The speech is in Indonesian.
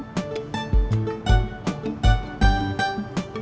palavra wat ravi abis itu